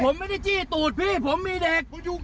ผมไม่ได้จี้ตูดพี่ผมมีเด็ก